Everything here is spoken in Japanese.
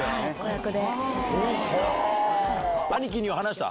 兄貴には話した？